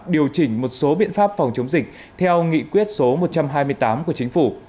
điều chỉnh một số biện pháp phòng chống dịch theo nghị quyết số một trăm hai mươi tám của chính phủ